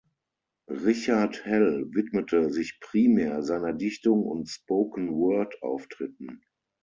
Richard Hell widmete sich primär seiner Dichtung und Spoken-Word-Auftritten.